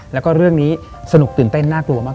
แล้วก็เรื่องนี้สนุกตื่นเต้นน่ากลัวมาก